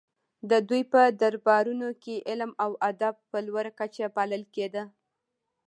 د دوی په دربارونو کې علم او ادب په لوړه کچه پالل کیده